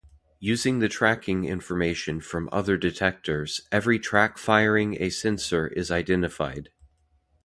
Using the tracking information from other detectors every track firing a sensor is identified.